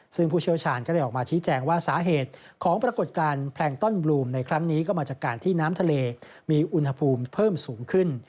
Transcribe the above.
ซึ่งผู้เชี่ยวชาญก็ได้ออกมาชี้แจงว่าสาเหตุของปรากฏการณ์แพลงต้อนบลูมในครั้งนี้ก็มาจากการที่น้ำทะเลมีอุณหภูมิเพิ่มสูงขึ้น